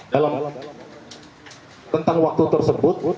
dalam tentang waktu tersebut